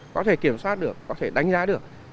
có thể kiểm soát được có thể đánh giá được